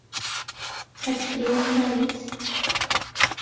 قەت فریوم داویت؟